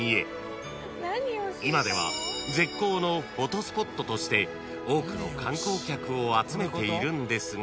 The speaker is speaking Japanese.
今では絶好のフォトスポットとして多くの観光客を集めているんですが］